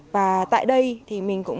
và tại đây thì mình cũng